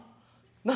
何？